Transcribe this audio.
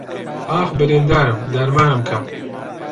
ئاخ بریندارم دەرمانم کە